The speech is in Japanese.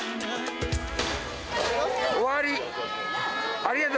終わり。